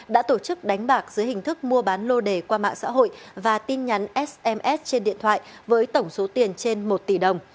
đã tổ chức đánh bạc dưới hình thức mua bán lô đề qua mạng xã hội và tin nhắn sms trên điện thoại với tổng số tiền trên một tỷ đồng